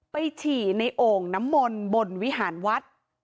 ฉี่ในโอ่งน้ำมนต์บนวิหารวัด